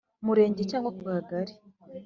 Murenge cyangwa ku Kagari